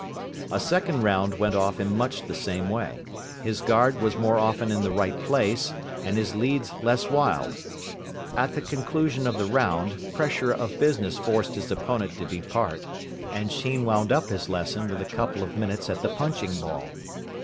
A second round went off in much the same way. His guard was more often in the right place, and his leads less wild. At the conclusion of the round, pressure of business forced his opponent to depart, and Sheen wound up his lesson with a couple of minutes at the punching ball.